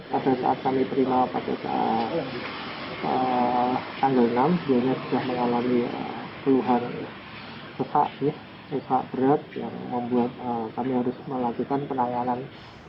pada saat kami terima pada tanggal enam sebenarnya sudah mengalami keluhan luka berat yang membuat kami harus melakukan penanganan